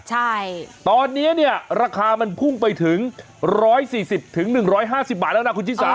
ใช่ตอนนี้เนี่ยราคามันพุ่งไปถึง๑๔๐๑๕๐บาทแล้วนะคุณชิสา